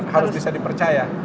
harus bisa dipercaya